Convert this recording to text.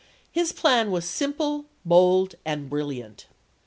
His plan was simple, bold, and brilliant.